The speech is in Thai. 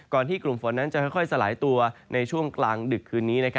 ที่กลุ่มฝนนั้นจะค่อยสลายตัวในช่วงกลางดึกคืนนี้